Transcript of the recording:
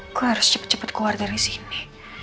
aku harus cepet cepet keluar dari sini